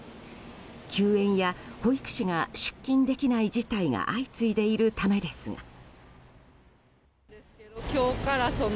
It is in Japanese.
休園や保育士が出勤できない事態が相次いでいるためですが。